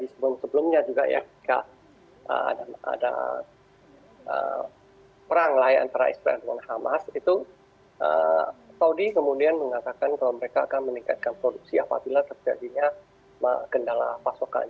jadi sebelum sebelumnya juga ya jika ada perang lain antara israel dan hamas itu saudi kemudian mengatakan kalau mereka akan meningkatkan produksi apabila terjadinya kendala pasokan